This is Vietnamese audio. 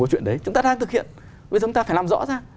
vậy thì chúng ta phải làm rõ ra